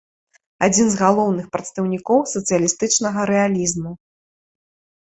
Адзін з галоўных прадстаўнікоў сацыялістычнага рэалізму.